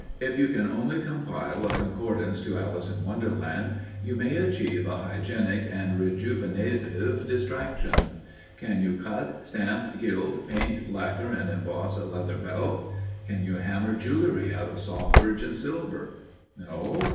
If you can only compile a concordance to Alice in Wonderland you may achieve a hygienic and rejuvenative distraction. Can you cut, stamp, gild, paint, lacquer and emboss a leather belt? Can you hammer jewelry out of soft virgin silver? No?